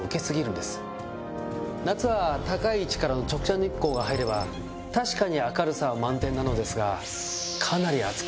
夏は高い位置からの直射日光が入れば確かに明るさは満点なのですが。